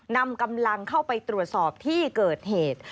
นำกำลังเข้าไปตรวจสอบที่เกิดเหตุ